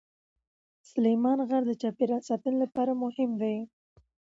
سلیمان غر د چاپیریال ساتنې لپاره مهم دی.